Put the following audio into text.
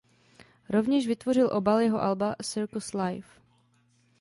Rovněž vytvořil obal jeho alba "Circus Live".